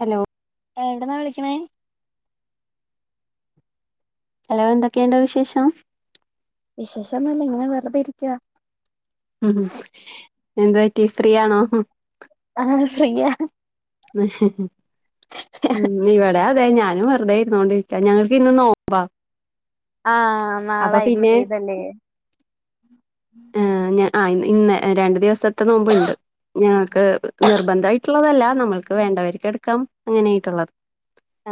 Hello ആ എവിട് ന്നാ വിളിക്ക്ണേ ഹലോ എന്തൊക്കെയുണ്ട് വിശേഷം വിശേഷന്നുല്ല ഇങ്ങനെ വെറുതെ ഇരിക്ക ഉം എന്തു പറ്റി ഫ്രീ യാണോ ആഹ് ഫ്രീയാ ഉ ഉം ഇവിടെ അതെ ഞാനും വെറുതെ ഇരുന്നോണ്ടിരിക്ക ഞങ്ങൾക്ക് ഇന്ന് നോമ്പാ ആഹ് നാള അപ്പൊ പിന്നെ [unintelligible] തല്ലേ ആ ഞാ ഇന്ന് രണ്ടു ദിവസത്തെ നോമ്പ്ണ്ട് ഞങ്ങക്ക് നിർബന്ധായി ട്ട്ള്ളതല്ല നമ്മൾക്ക് വേണ്ടവര്ക്ക് എടുക്കാം അങ്ങനെയായിട്ടുള്ളത്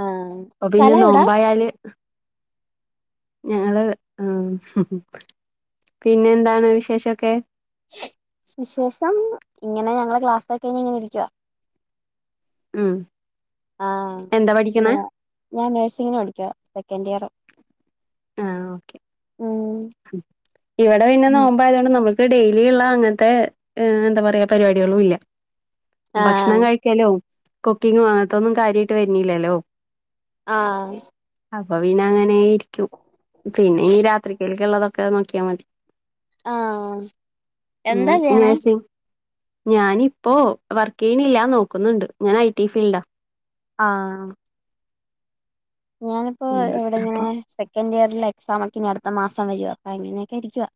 ആഹ് അപ്പൊ പിന്നെ സ്ഥലം എവിടാ നോമ്പായാല് ഞങ്ങള് ആ പിന്നെ എന്താണ് വിശേഷൊക്കെ വിശേഷം ഇങ്ങനെ ഞങ്ങള് ക്ലാസ്സൊക്ക കഴിഞ്ഞ് ഇങ്ങനെ ഇരിക്കുവ ഉം ആഹ് എന്താ പഠിക്കണേ ഇങ്ങനെ ഞാൻ നേഴ്സിങ്ങിന് പഠിക്ക സെക്കൻഡ് ഇയർ ആഹ് ഓക്കെ ഉം ഇവിടെ പിന്നെ നോ പ്പ ആയതോണ്ട് നമ്മുക്ക് ഡെയിലി ഉള്ള അങ്ങൻത്തെ എന്താ പറയാ പരിപാടികളും ഇല്ല ഭക്ഷണം ആഹ് കഴിക്കലും കുക്കിംഗും അങ്ങത്തൊന്നും കാര്യായ്ട്ട് വര് നില്ലല്ലോ ആഹ് അപ്പൊ പിന്നെ അങ്ങനെ ഇരിക്കും പിന്നെ ഇനി രാത്രികേൾക്ക് ഇള്ളതൊക്കെ നോക്കിയാ മതി ആഹ് എന്താ അങ്ങനെ ചെയ്യണേ നേഴ്സിങ് ഞാനിപ്പോ വർക്കയ്യ്ണില്ല നോക്കുന്നുണ്ട് ഞാൻ ഐ ടി ഫീൽഡാ ആഹ് ഞാനിപ്പോ അങ്ങനെ ഇവ്ടെ ഇങ്ങനെ അപ്പൊ സെക്കൻഡ് ഇയറിലെ എക്സാം ഒക്കെ ഇനി അട്ത്ത മാസം വരുവാ അപ്പൊ അങ്ങനെയൊക്കെ ഇരിക്കുവ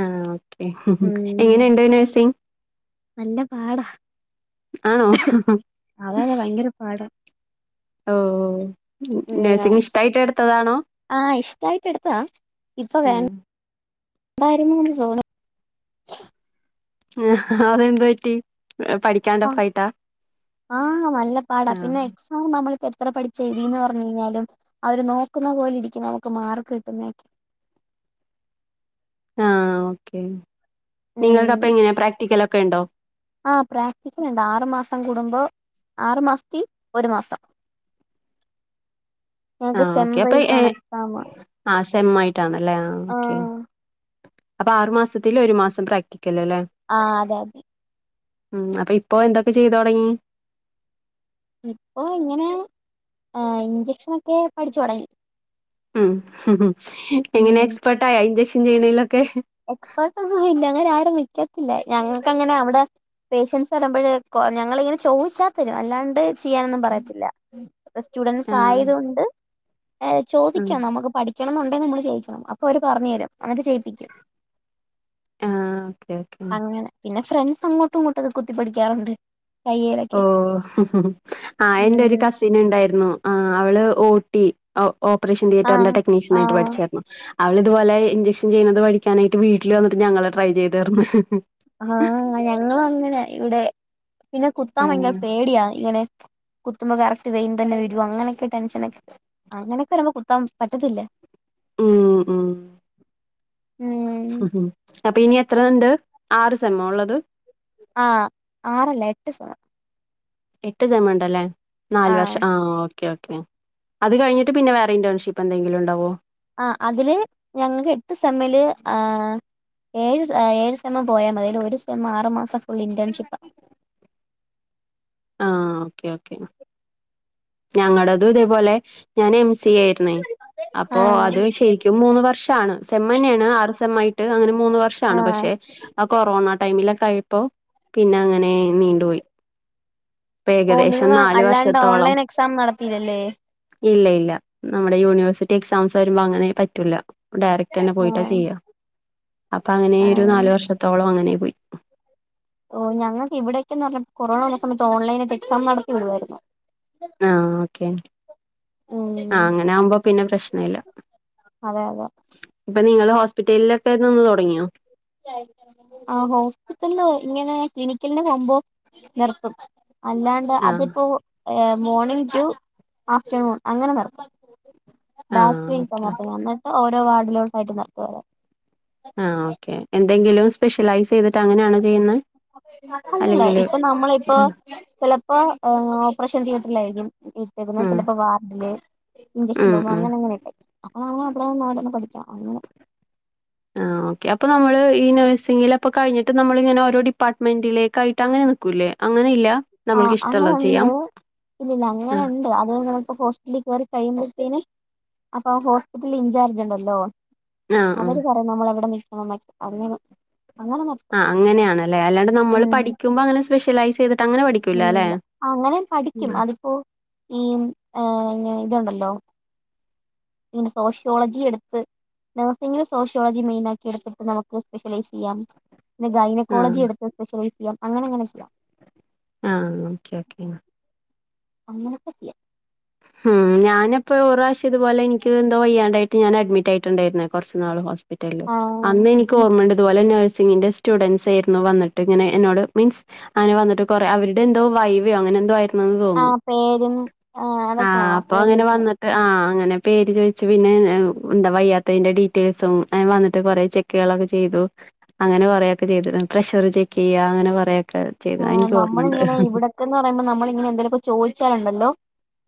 ആഹ് ഓക്കെ ഉം എങ്ങനെയ്ണ്ട് നേഴ്സി നല്ല പാടാ ആണോ അതെ അതെ ഭയങ്കര പാടാ ഓഹ് ഉം നേഴ്സിംഗ് ഇഷ്ട്ടായിട്ട് എട്ത്തതാണോ ആഹ് ഇഷ്ടായിട്ട് എടുത്താ ഇപ്പൊ ഉം. വേണ്ടായിരുന്നു തോന്നാ ആഹ് അതെന്ത് പ‌റ്റി പഠി അഹ് ആഹ് നല്ല പാടാ ആ പിന്നെ ആ നമ്മള് പ്പൊ എത്ര പഠിച്ച് എഴുതി ന്ന് പറഞ്ഞ് കഴിഞ്ഞാലും അവര് നോക്കുന്ന പോലെ ഇരിക്കും നമുക്ക് മാർക്ക് കിട്ടുന്നെ ആഹ് ഓക്കെ നിങ്ങൾടെ ഉം അപ്പം എങ്ങനെ പ്രാക്ടിക്കലൊക്കെ ഉണ്ടോ ആഹ് പ്രാക്ടിക്കല് ഇണ്ട് ആറ് മാസം കൂടുമ്പോ ആറ് മാസത്തി ഒരു മാസം ഞങ്ങക്ക് ആഹ് സെം ഒക്കെ അപ്പം വൈസ് ഹെ ആണ് എക്സാം ആഹ് സെമ്മ ആയിട്ടാണ്ല്ലേ ആഹ് ഓക്കെ അപ്പാ ആറ്മാസത്തില് ഒരു മാസം പ്രാക്ടിക്കല് ല്ലേ ആഹ് അതെ അതെ ഉം അപ്പ ഇപ്പൊ എന്തൊക്കെ ചെയ്തു തൊടങ്ങി ഇപ്പൊ ഇങ്ങനെ ഏഹ് ഇഞ്ചക്ഷനൊക്കെ പഠിച്ചൊടങ്ങി ഉം ഇങ്ങനെ ഉം എക്സ്പേട്ടായോ ഇഞ്ചക്ഷൻ ചെയ്യ്ണേലൊക്കെ എക്സ്പേർട്ടന്നു ആയില്ല അങ്ങനെ ആരും നിക്കത്തില്ല ഞങ്ങക്ക് അങ്ങനെ അവ്ടെ പേഷ്യൻസ് വര്മ്പഴ് ഞങ്ങളിങ്ങനെ ചോയ്ച്ചാ തരും അല്ലാണ്ട് ചെയ്യാനൊന്നും പറയത്തില്ല സ്റ്റുഡന്സ് ആഹ് ആയത് കൊണ്ട് ഏഹ് ഉം ചോദിക്കാം നമുക്ക് പഠിക്കണം എന്നുണ്ടെങ്കിൽ നമ്മള് ചോയ്ക്കണം അപ്പൊ അവര് പറ്ഞ്ഞരും അന്ന്ട്ട് ചെയ്യിപ്പിക്കും ആഹ് ഓക്കെ ഓക്കെ ങ്ങനെ പിന്നെ ഫ്രണ്ട്സ് അങ്ങോട്ടും ങ്ങോട്ടൊക്കെ കുത്തി പഠിക്കാറ്ണ്ട് ഓഹ് ആ ഉം എൻ്റൊരു കസ് [unintelligible] ന ഇണ്ടായിരുന്നു ആഹ് അവള് ഓ ടി ഓപറേഷൻ തീയേറ്ററിൻ്റെ ആഹ് ടെക്നീഷ്യൻ ആയിട്ട് ആഹ് പഠിച്ചായ്രുന്നു അവള് ഇതുപോലെ ഇൻജ്ക്ഷൻ ചെയ്യുന്നത് പഠിക്കാനായിട്ട് വീട്ടിൽ വന്നിട്ട് ഞങ്ങളെ ട്രൈ ചെയ്താരുന്നു ആഹ് ഞങ്ങളു അങ്ങനെ ഇവ്ടെ പിന്നെ കുത്താൻ ഭയങ്കര ആഹ് പേടിയാ ഇങ്ങനെ കുത്തുമ്പോ കറക്റ്റ് വെയ്ൻ തന്നെ വരോ അങ്ങനെക്കെ ടെൻഷനെക്കെ അങ്ങനൊക്കെ വരുമ്പോ കുത്താൻ പറ്റത്തില്ല മ്മ് മ് ഹ് ഉം അപ്പൊ ഇനി എത്ര ഇണ്ട് ആറ് സമ്മ് ഉള്ളത് ആഹ് ആറല്ല എട്ട് സ എട്ട് സമ്മ് ഇണ്ടല്ലേ നാല് ആ വർഷം ആഹ് ഓക്കെ ക്കെ അത് കഴിഞ്ഞട്ട് പിന്നെ വേറെഇൻറേൺഷിപ്പ് എന്തെങ്കിലും ഉണ്ടാവോ ആഹ് അതില് ഞങ്ങക്ക് എട്ട് സമ്മ്ല് ആഹ് ഏഴ് ഏഴ് സെമ് പോയാ മതി ഒരു സെമ് ആറ് മാസം ഫുൾ ഇന്റേൺഷിപ്പ ആഹ് ഒക്കെ ക്കെ ഞങ്ങളുടെതും ഇതേപോലെ ഞാൻ എം സി ആയിരുന്നെ അപ്പ അത് ശരിക്കും മൂന്ന് വർഷാണ് സെമ്മ് തന്നെയാണ് ആറ് സെമ്മയിട്ട് അങ്ങനെ മൂന്ന് ആ വർഷാണ് പക്ഷെ ആ കൊറോണ ടൈമിലക്കെ ആയപ്പോ പിന്നെ അങ്ങനെ നീണ്ടുപോയി ഇപ്പ ഓ ഏകദേശം നിങ്ങളെ നാല് അല്ലാണ്ട് വർഷത്തോളം ഓൺലൈൻ എക്സാം നടത്തില്ലല്ലേ ഇല്ല ഇല്ല നമ്മുടെ യൂണിവേഴ്സിറ്റി എക്സാംസ് വരുമ്പോ അങ്ങനെ പറ്റൂല്ല ഡയറക്റ്റ് തന്നെ ആ പോയിട്ടാ ചെയ്യുക അപ്പം അങ്ങനെ ആ ഒരു നാല് വർഷത്തോളം അങ്ങനെ പോയി ഓ ഞൾക്ക് ഇവിടൊക്കേന്ന് പറഞ്ഞ കൊറോണള്ള സമയത്ത് ഓൺലൈനായിട്ട് എക്സാം നടത്തി വിടുവായിരുന്നു ആ ഓക്കേ ആഹ ഉം അങ്ങനെ ആകുമ്പോ പിന്നെ പ്രശ്ന ഇല്ല അതെ അതെ ഇപ്പൊ നിങ്ങള് ഹോസ്പിറ്റലിലൊക്കെ നിന്ന് തുടങ്ങിയോ ആ ഹോസ്പിറ്റലങ്ങനെ ക്ലിനിക്കലിനെ പോകുമ്പോ നിർത്തും അല്ലാണ്ട് ആഹ് അതിപ്പോ മോർണിംഗ് ടു ആഫ്റ്റർനൂൺ അങ്ങനെ നടക്കും ആഹ് ഓക്കെ [unintelligible] എന്നിട്ട് ഓരോ വാർഡിലോട്ടായിട്ട് നടന്നു വരാം ആ ഓക്കെ എന്തെങ്കിലും സ്പെഷ്യലൈസ് ചെയ്തിട്ട് അങ്ങനെയാണോ ചെയ്യുന്നെ അല്ല അല്ലെങ്കില് ഇപ്പൊ നമ്മളെയിപ്പൊ ചെലപ്പോ ഓപ്പറേഷൻ തിയേറ്ററിലായിരിക്കും നിർത്തിയെക്കുന്ന ഉം ചിലപ്പോ വാർഡില് ഇഞ്ചെക്ഷൻ ഉം റൂം ഉം അങ്ങനെ അങ്ങനെക്കെ അപ്പൊ അവിടെനാടെ പഠിക്കാം ആ ഓക്കെ അപ്പൊ നമ്മള് ഈ നഴ്സിംഗില് അപ്പൊ കഴിഞ്ഞട്ട് നമ്മള് ഇങ്ങനെ ഓരോ ഡിപ്പാർട്ട്മെന്റിലേക്കായിട്ട് അങ്ങനെ നിക്കൂല്ലേ അങ്ങനെ ഇല്ല ആ അങ്ങനെ ഉണ്ട് ഇല്ലില്ല അങ്ങനെ ആഹ് ഉണ്ട് അത് ഞങ്ങൾക്ക് ഹോസ്പി കേറി കയ്യുമ്പോഴേതേനും അപ്പൊ ഹോസ്പിറ്റൽ ഇൻചാർജ് ഉണ്ടല്ലോ ആഹ് ആഹ് അവര് നമ്മളെവിടെ നിൽക്കണോന്നൊക്കെ അങ്ങനെ അങ്ങനെ നോക്കും ആ അങ്ങനെയാണല്ലേ അല്ലാണ്ട് നമ്മള് പഠിക്കുമ്പോ അങ്ങനെ സ്പെഷ്യലൈസ് ചെയ്തിട്ട് അങ്ങനെ പഠിക്കൂല അല്ലെ? ഇല്ലില്ല അങ്ങനെ പഠിക്കും അതിപ്പോ ഈ ഏ ഇതുണ്ടല്ലോ സോഷ്യോളജി എടുത്ത് നഴ്സിംഗ് സോഷ്യോളജി മെയിൻ ആക്കി എടുത്തിട്ട് നമുക്ക് സ്പെഷ്യലൈസ് ചെയ്യാം പിന്നെ ആഹ് ഗൈനക്കോളജി എടുത്ത് സ്പെഷലൈസ് ചെയ്യാം അങ്ങനെങ്ങനെ ചെയ്യാം ആ ഓക്കെ ഓക്കെ അങ്ങനെയൊക്കെ ചെയ്യാം ഉം ഞാനപ്പോ ഒരു പ്രാവശ്യം ഇതു പോലെ എനിക്ക് എന്തോ വയ്യാണ്ടായിട്ടു ഞാൻ അഡ്മിറ്റ് ആയിട്ടുണ്ടായിരുന്ന കുറച്ച് നാള് ഹോസ്പിറ്റലിൽ ആഹ് അന്നെനിക്ക് ഇപ്പം ഓർമയിണ്ട് അതുപോലെ നഴ്സിങ്ങിൻ്റെ സ്റ്റുഡൻറ്സ് ആയിരുന്നു വന്നിട്ട് ഇങ്ങനെ എന്നോട് മീൻസ് അങ്ങെനെ വന്നിട്ട് കൊറെ അവരുടെ എന്തോ വൈവയോ അങ്ങനെ എന്തോ ആയിരുന്നന്ന് തോന്നുന്നു പേരെന്നാ ആഹ് അപ്പൊ അങ്ങനെ വന്നിട്ട് ആഹ് അങ്ങനെ പേര് ചോയിച്ച് പിന്നെ എന്താ വയ്യാത്തതിന്റെ ഡീറ്റെയിൽസും എ വന്നിട്ട് കൊറെ ചെക്കുകളൊക്കെ ചെയ്തു അങ്ങനെ പറയൊക്കെ ചെയ്തു പ്രഷർ ചെക്ക് ചെയ്യ അങ്ങനെ പറയൊക്കെ ചെയ്ത എനിക്ക് ഓർമ്മുണ്ട് ന്ന് പറയുമ്പോ നമ്മള ഇങ്ങന എന്തെേലുമൊക്കെ ചോയ്ച്ചാലുണ്ടല്ലോ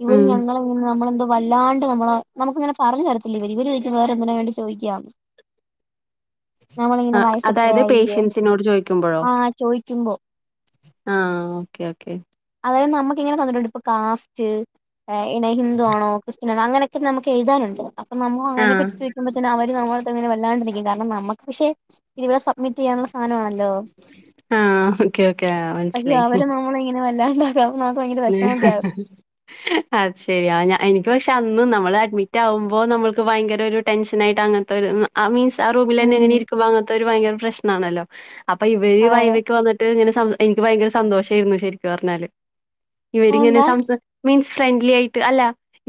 ഇവർ ഉം ഞങ്ങള നമ്മളെന്തോ വല്ലാണ്ട് നമ്മള നമുക്കിങ്ങനെ പറഞ്ഞു തരത്തില്ല ഇവർ വേറെ എന്തിനോ വേണ്ടി ചോദിക്ക അതായത് വയസ്സെത്രയായി പേഷ്യൻസിനോട് ചോദിക്കുമ്പോഴോ ആഹ് ചോദിക്കുമ്പോ ആഹ് ഓക്കേ ഓക്കെ അതായത് നമുക്ക് ഇങ്ങനെ തന്നിട്ടുണ്ട് ഇപ്പൊ കാസ്റ്റ് ഹിന്ദുവാണോ ക്രിസ് അങ്ങനൊക്കെ നമുക്ക് എഴുതാനുണ്ട് അപ്പൊ നമ്മ അതിനെ ആഹ് പറ്റി അവര് നമ്മളടുങ്ങെ വല്ലാണ്ടിരിക്കും കാരണം നമുക്ക് പക്ഷെ ഇവിടെ സബ്മിറ്റ് ചെയ്യാനുള്ള സാനമാണല്ലോ ആഹ് ഓക്കെ ഓക്കെ ആഹ് മനസ്സിലായി മ്മളെ ഇങ്ങനെ വല്ലാണ്ടാക്കും നമുക്ക് ഭയങ്കര വിശമക്കെകും അത് ശരിയാ എനിക്ക് പക്ഷെ അന്ന് നമ്മള് അഡ്മിറ്റ് ആകുമ്പോ നമ്മൾക്ക് ഭയങ്കര ഒരു ടെൻഷനായിട്ട് അങ്ങനത്തെരു ആ മീൻസ് ആ റൂമിൽ തന്നെ എങ്ങനെ ഉം ഇരിക്കുമോ അങ്ങനത്തെ ഒരു ഭയര പ്രശ്നാണല്ലോ അപ്പൊ ഇവര് അതെ അതെ വൈവക്ക് വന്നിട്ട് എനിക്ക് ഭയങ്കര സന്തോഷമായിരുന്നു ശരിക്കും പറഞ്ഞാല് ഇവരിങ്ങനെ അതെന്താ മീൻസ് ഫ്രണ്ട്ലി ആയിട്ട് അല്ല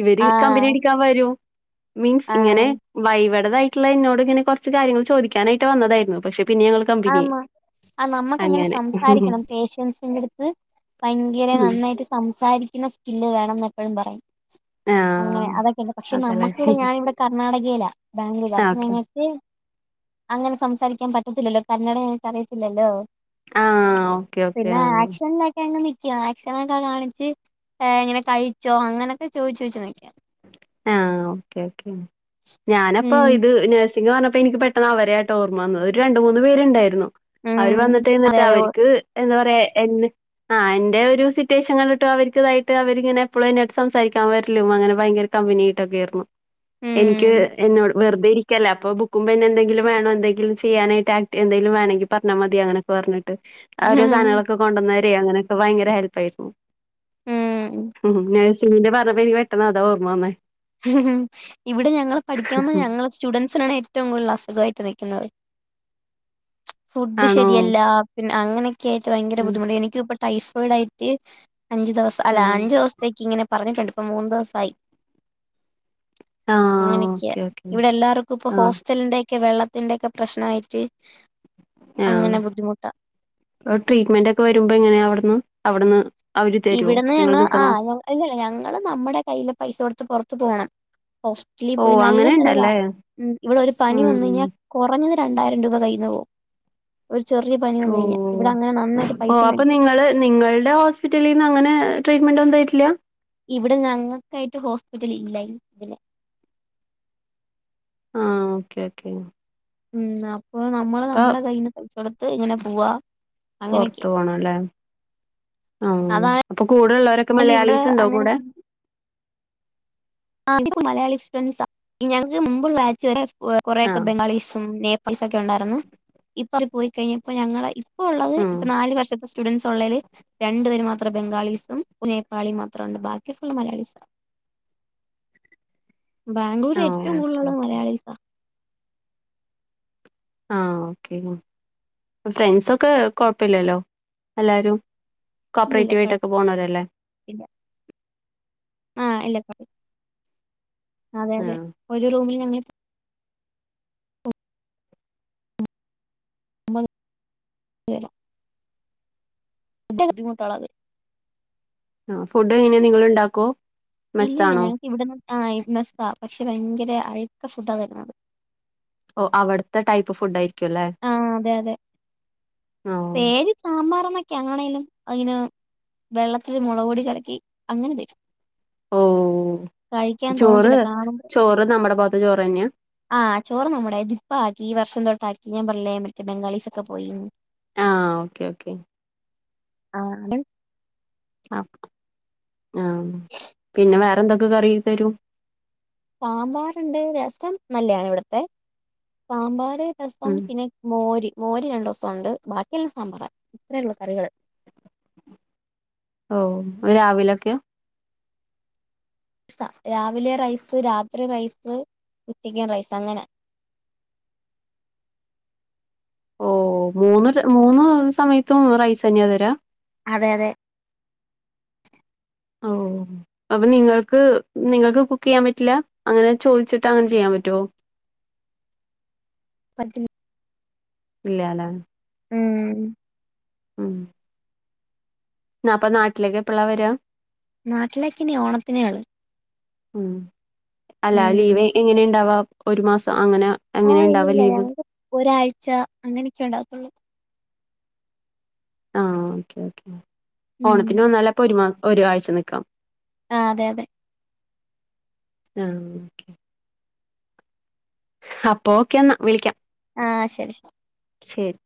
ഇവര് കമ്പനി ആഹ് അടിക്കാൻ വരും മീൻസ് ഇങ്ങനെ ആഹ് വൈവേടതായി എന്നോട്ങ്ങനെ കുറച്ച് കാര്യങ്ങൾ ചോദിക്കാനായിട്ട് വന്നതായിരുന്നു പക്ഷെ പിന്നെ ഞങ്ങ ആന്ന് ആഹ് നമ്മക്കങ്ങനെ സംസാരിക്കണം പേഷ്യൻസിന്റെ അടു ഭയങ്കര നന്നായിട്ട് സംസാരിക്കുന്ന സ്കില്ല് വേണംന്ന് എപ്പഴും പറയും അങ്ങനെ ആഹ് അതൊക്കെയുണ്ട് പക്ഷെ അതല്ലേ. നമ്മുക്കിവിടെ ഞാനിവിടെ കർണാടകയിലാ ബാംഗ്ലൂരു ആഹ് അപ്പൊ ഓക്കെ ഞങ്ങക്ക് അങ്ങനെ സംസാരിക്കാൻ പറ്റത്തില്ലല്ലോ കന്നട എനിക്ക് അറിയത്തില്ലല്ലോ ആഹ് ഓക്കെ ഓക്കെ പിന്നെ ആഹ് ആക്ഷൻ ങനിക്ക ആക്ഷനൊക്കെ കാണിച്ച് ഇങ്ങനെ കഴിച്ചോ അങ്ങനെയൊക്കെ ചോദിച്ചു ചോദിച്ച് നിക്കാം ആഹ് ഓക്കെ ഓക്കെ ഞാനപ്പോ ഉം ഇത് നഴ്സ് പറഞ്ഞപ്പോ ഇക്ക് പെട്ടന്ന് അവരെയാട്ടോ ഓർമ്മന്നത് ഒരു രണ്ട് മൂന്ന് പേരുണ്ടായിരുന്നു ഉം അവർ വന്നിട്ട് അതെ ഇന്നിട്ട് അതെ അവര്ക്ക് എന്താ പറയാ എന്നെ ആഹ് എന്റെ ഒരു സിറ്റുവേഷൻ കണ്ടിട്ട് അവര്ക്ക്‌ ഇതായിട്ട് അവരിങ്ങനെപ്പളും സംസാരിക്കാൻ വരലും അങ്ങനെ ഭയങ്കര കമ്പനിയായിട്ടക്കെയർന്നു എനിക്ക് ഉം എന്നോട് വെറുതെ ഇരി- ല്ല അപ്പൊ ബുക്കുംപെന്നും എന്തങ്കിലും വേണോ എന്തെങ്കിലുംചെയ്യാനായി് എന്തെിലും വേണങ്കിൽ പറഞ്ഞാ മതി അങ്ങനൊക്കെ പറഞ്ഞിട്ട് ഓരോ ഉം സാധനങ്ങളൊക്കെ കൊണ്ടുവന്നവര അങ്ങനെയൊക്കെ ഭയങ്കര ഹെല്പ് ആയിരുന്നു ഉം ഉം നഴ്സിന്റെ പറഞ്ഞവനി പെട്ടെന്ന് അതാ ഓർമ്മ വന്നേ ഇവിടെ ഞങ്ങള് പഠിക്കാ വന്ന ഉം ഞങ്ങള് സ്റ്റുഡന്സിനാണ് ഏറ്റവും കൂടുതൽ അസുഖായിട്ട് നിൽക്കുന്നത് ഫുഡ് ആണോ ശരിയല്ല പിന്നെ അങ്ങനെയൊക്കെ ആയിട്ട് ഭയങ്കര ഉം ബുദ്ധിമുട്ട് എനിക്ക് ഇപ്പൊ ടൈഫോയിഡ് ആയിട്ട് അഞ്ചു ദിവസം അല്ല ആഹ് അഞ്ചു ദിവസത്തേക്ക് ഇങ്ങനെ പറഞ്ഞിട്ടുണ്ട് ഇപ്പ മൂന്ന് ദിവസയി ആഹ് അങ്ങനക്ക ഓക്കെ ഓക്കെ ഇവിടെ എല്ലാർക്കും ഇപ്പ ആഹ് ഹോസ്റ്റലിന്റെക്കെ വെള്ളത്തിന്റെൊക്കെ പ്രശ്നായിട്ട് ആഹ് ട്രീറ്റ്മെന്റ് ഒക്കെ വരുമ്പോ എങ്ങനെയാ അവിടുന്ന് അവിടുന്ന് അവര് തരുവോ ഇവിടുന്ന് നിങ്ങൾ ഞങ്ങൾ നിക്കുന്ന ആഹ് [unintelligible] അല്ലല്ല ഞങ്ങള് നമ്മുടെ കയ്യിലെ പൈസ കൊടുത്ത് പുറത്ത് പോണം ഹോസ് - വട്ടിലിൽ ഓ പോയി അങ്ങനെ നല്ല ചെലവാ ഉണ്ടല്ലേ ഇവിടെ ഒരു പനി ഉം വന്ന കഴിഞ്ഞാൽ കുറഞ്ഞത് രണ്ടായിരം രൂപ കയ്യിന്നു പോവും ഒരു ചെറിയ പനി ഓഹ് ഇവിടെ അങ്ങനെ നന്നായിട്ട് പൈസ ഓഹ് അപ്പൊ മേടിക്കും നിങ്ങള് നിങ്ങളുടെ ഹോസ്‌- ഹോസ്‌പിറ്റലിന്ന് അങ്ങനെ ട്രീറ്റ്മെന്റ് ഉണ്ടായിട്ടില്ല ഇവിടെ ഞങ്ങൾക്കായിട്ട് ഹോസ്പിറ്റൽ ഇല്ലാ ഈ ഇതിന് ആഹ് ഓക്കേ ഓക്കെ ഉം ആ പ്പോ നമ്മള് അപ്പൊ നമ്മുടെ കയ്യിന്ന് പൈസ കൊടുത്ത് ഇങ്ങനെ പോവാ അങ്ങനെയൊക്കെയ ആണല്ലേ ആഹ് അതായാലും അപ്പൊ കൂടെ ഉള്ളവരൊക്കെ ഇവിടെ മലയാളീസ് ഉണ്ടോ അങ്ങനെ കൂടെ ആഹ് മലയാളി സ്റ്റുഡസാ ഞങ്ങക്ക് മുമ്പുള്ള ബാച്ച് വരെ കൊറെയൊക്കെ ആഹ് ബംഗാളീസും നേപ്പാ- പ്പാളീസൊക്കെ ഉണ്ടായിരുന്നു ഇപ്പ അവര് പോയിക്കഴിഞ്ഞപ്പോ ഞങ്ങള് ഇപ്പ ഉള്ളത് ഉം ഇപ്പ നാല് [unintelligible] സ്റ്റുഡൻറ്സ് ഉള്ളെൽ രണ്ടു പേര് മാത്രം ബംഗാളീസും നേപ്പാളിയും മാത്ര ഉണ്ട് ബാക്കി ഫുള് മലയാളിസാ ബാംഗ്ലൂര്ൽ ആഹ് ഏറ്റവും ഓക്കെ കൂടുതലുള്ളത് ഓക്കെ മലയാളീസാ ആഹ് ഓക്കെ ഫ്രണ്ട്സൊക്കെ കുഴപ്പല്ലല്ലോ എല്ലാവരും കോപ്പറേറ്റീവായിട്ടൊക്കെ പോണോരല്ലേ ഇല്ല ആഹ് ഇല്ല അതെ അതെ ആഹ് ഒരു റൂമിൽ ഞങ്ങൾ [unintelligible] [unintelligible] മൂത്തോളാത് ആഹ് ഫുഡ് എങ്ങനെ നിങ്ങൾ ഉണ്ടാക്കോ? ഇല്ലല്ല മെസ്സാണോ ഞങ്ങക്ക് ഇവിടെന്ന് മെസ്സാ പക്ഷെ ഭയങ്കര അഴുക്ക ഫുഡാ തരുന്നത് ഓഹ് അവിടുത്തെ ടൈപ്പ് ഫുഡ് ആയിരിക്കും അല്ലേ ആഹ് അതെ അതെ ആഹ് പേര് സാമ്പാറ് ന്നൊക്കെ അണേലും അയിന് വെള്ളത്തില് മുളക്പൊടി കലക്കി അങ്ങനെ തരും ഓഹ് കഴിക്കാൻ ചോറ് തോന്നത്തില്ല കാണുമ്പോ ചോറ് നമ്മുടെ ഭാഗത്ത് ചോറ് തന്നെയാ ആഹ് ചോറ് നമ്മുടെ ഇദ് ഇപ്പാക്കി ഈ വർഷം തൊട്ടാക്കി ഞാൻ പർഞ്ഞില്ലേ മറ്റേ ബംഗാളീസൊക്കെ പോയിന്നു ആഹ് ഓക്കെ ഓക്കെ ആഹ് [unintelligible] അഹ് ആഹ് പിന്ന വേറെ എന്തൊക്കെ കറി തരും സാമ്പാറ്ണ്ട് രസം നല്ലെയാണ് ഇവിടുത്തെ സാമ്പാറ് രസം ഉം പിന്നെ മോര് മോര് രണ്ടു ദിവസം ഉണ്ട് ബാക്കിയെല്ലാം സാമ്പാറ ഇത്രേ ഉള്ളൂ കറികള് ഓഹ് രാവിലൊക്കയോ സ രാവിലെ റൈസ് രാത്രി റൈസ് ഉച്ചയ്ക്കും റൈസ് അങ്ങന ഓഹ് മൂന്ന് രെ മൂന്ന് സമയത്തും റൈസ് തന്നെയാ തരാ അതെ അതെ ഓഹ് അപ്പൊ നിങ്ങൾക്ക് നിങ്ങൾക്ക് കുക്ക് ചെയ്യാൻ പറ്റില്ല അങ്ങനെ ചോയ്ച്ചിട്ട് അങ്ങനെ ചെയ്യാൻ പറ്റുവോ പറ്റിൽ ഇല്യല്ലേ ഉം ഉം നാപ്പ നാട്ടിലേക്കെപ്പള്ളാ വരാ നാട്ടിലേക്ക് ഇിനി ഓണത്തിനെ ഒള്ള് ഉം അല്ല ഉം ലീവ് എങ്ങനെ ഇണ്ടാവാ ഒരു മാസം അങ്ങന ആഹ് ഇല്ലില്ല ഞങ്ങക്ക് ഒരാഴ്ച അങ്ങനെക്കെ ഉണ്ടാവത്തുള്ളൂ ആഹ് ഓക്കേ ഓക്കേ ഉം ഓണത്തിന് വന്നല്ലപ്പോ ഒരുമാ ഒരാഴ്ച നിക്കാം ആഹ് അതെ അതെ ആഹ് ഓക്കേ അപ്പ ഓക്കെ എന്നാ വിളിക്കാം ആഹ് ശരി ശരി ശരി